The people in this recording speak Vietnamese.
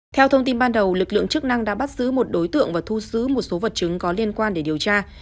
theo thông tin ban đầu lực lượng chức năng đã bắt giữ một đối tượng và thu giữ một số vật chứng có liên quan để điều tra